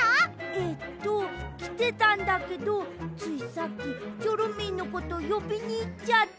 えっときてたんだけどついさっきチョロミーのことよびにいっちゃって。